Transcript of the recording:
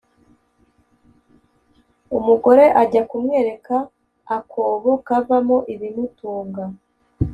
umugore ajya kumwereka akobo kavamo ibimutunga